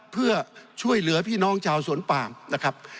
เพื่อช่วยเหลือพี่น้องชาวสวนปามนะครับ